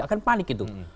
akan panik itu